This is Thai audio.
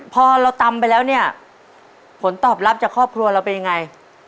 พอเราตำไปแล้วเนี่ยผลตอบรับจากครอบครัวเราเป็นยังไง